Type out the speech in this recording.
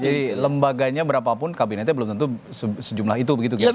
jadi lembaganya berapapun kabinetnya belum tentu sejumlah itu begitu kira kira